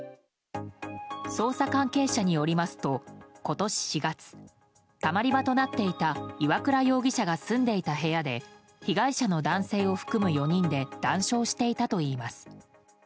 捜査関係者によりますと今年４月たまり場となっていた岩倉容疑者が住んでいた部屋で被害者の男性を含む４人で談笑していたといいます。